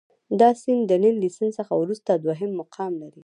دا سیند د نیل له سیند څخه وروسته دوهم مقام لري.